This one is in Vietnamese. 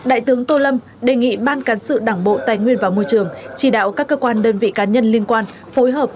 đại tướng tô lâm đề nghị ban cán sự đảng bộ tài nguyên và môi trường chỉ đạo các cơ quan đơn vị cá nhân liên quan phối hợp